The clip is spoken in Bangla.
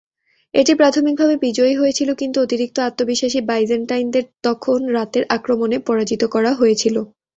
এটি প্রাথমিকভাবে বিজয়ী হয়েছিল, কিন্তু অতিরিক্ত আত্মবিশ্বাসী বাইজেন্টাইনদের তখন রাতের আক্রমণে পরাজিত করা হয়েছিল।